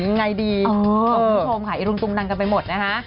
อยู่ยังไงดีขอบคุณผู้ชมค่ะไอลุงตุงนั่งกันไปหมดนะฮะ